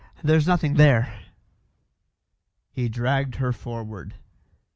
There's nothing there." He dragged her forward.